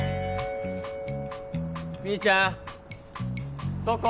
ミーちゃんどこ？